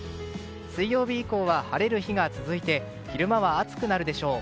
水曜日以降は晴れる日が続いて昼間は暑くなるでしょう。